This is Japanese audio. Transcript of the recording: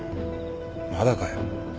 まだかよ？